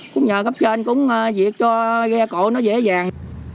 cũng nhờ cấp trên cũng việc cho ghe cộ nó dễ dàng